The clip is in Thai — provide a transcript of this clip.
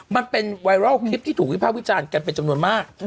มันเป็นไวรัลคลิปที่ถูกวิภาควิจารณ์กันเป็นจำนวนมาก